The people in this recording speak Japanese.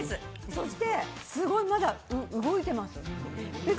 そしてすごいまだ動いてます。